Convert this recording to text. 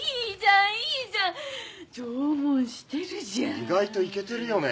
意外といけてるよね。